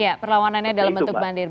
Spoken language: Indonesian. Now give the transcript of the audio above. ya perlawanannya dalam bentuk bandir